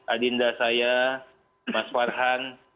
adinda saya mas farhan